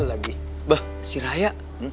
abah si raya